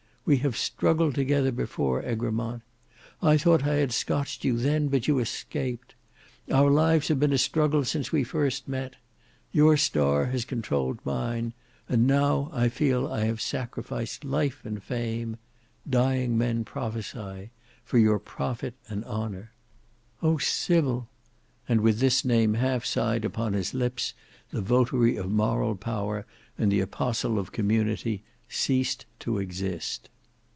We have struggled together before, Egremont. I thought I had scotched you then, but you escaped. Our lives have been a struggle since we first met. Your star has controlled mine; and now I feel I have sacrificed life and fame—dying men prophecy—for your profit and honour. O Sybil!" and with this name half sighed upon his lips the votary of Moral Power and the Apostle of Community ceased to exist.